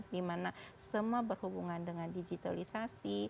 dimana semua berhubungan dengan digitalisasi